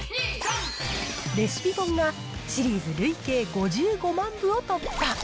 レシピ本がシリーズ累計５５万部を突破。